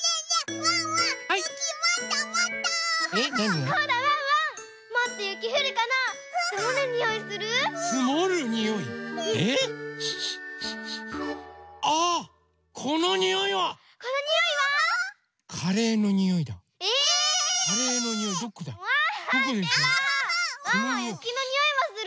ワンワンゆきのにおいはする？